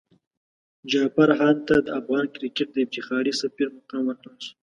جعفر هاند ته د افغان کرکټ د افتخاري سفیر مقام ورکړل شو.